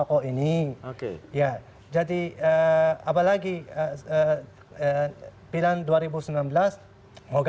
oversee peraturan negara